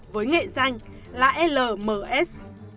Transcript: với nghệ danh là lms